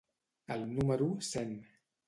El número cent.